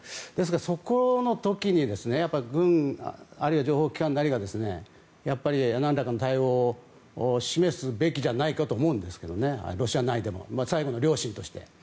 その時に軍やあるいは情報機関が何らかの対応を示すべきじゃないかと思うんですけどね、ロシア内でも最後の良心としてね。